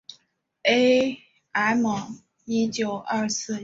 同厂车型合作车型竞争车型